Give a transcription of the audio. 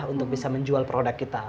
untuk bisa menjual produk kita